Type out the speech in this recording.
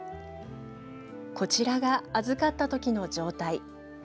こちらが預かったときの状態。